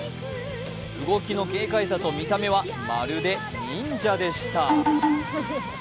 動きの軽快さと見た目はまるで忍者でした。